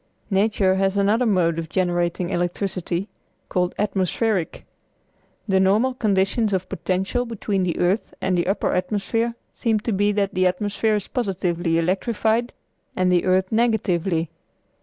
Nature has another mode of generating electricity, called atmospheric. The normal conditions of potential between the earth and the upper atmosphere seem to be that the atmosphere is positively electrified and the earth negatively.